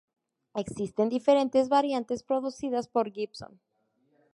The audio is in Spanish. Existen diferentes variantes producidas por Gibson.